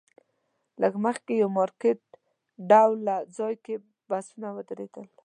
لږ مخکې یو مارکیټ ډوله ځای کې بسونه ودرېدل.